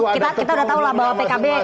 kita udah tahu lah bahwa pkb